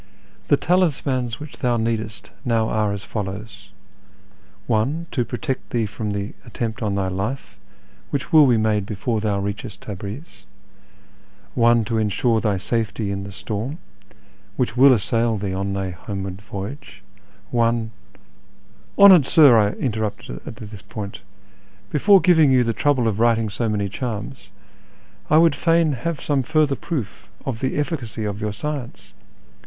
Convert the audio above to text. The talismans which thou needest now are as follows :— One to protect thee from the attempt on thy life which will be made before thou reachest Tabriz ; one to ensure thy safety in the storm which will assail thee on thy homeward voyage ; one "" Honoured sir !" I interrupted at this point, " before giving you the trouble of writing so many charms, I would fain have some further proof of the efficacy of your science.